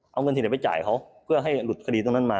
เอาเงินที่ไหนไปจ่ายเขาเพื่อให้หลุดคดีตรงนั้นมา